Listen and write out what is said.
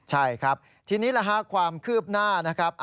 ใช่ครับทีนี้ความคืบหน้านะครับ